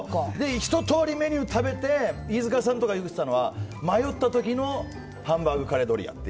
ひと通りメニューを食べて飯塚さんと言ってたのは迷った時のハンバーグカレードリアって。